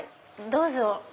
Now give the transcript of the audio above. どうぞ。